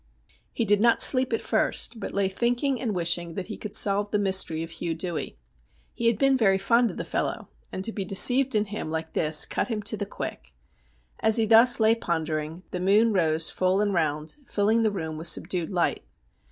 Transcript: He did not sleep at first, but lay thinking and wishing that he could solve the mystery of Hugh Dewey. He had been very fond of the fellow, and to be deceived in him like this cut him to the quick. As he thus lay pondering, the moon rose full and round, filling the room with subdued light.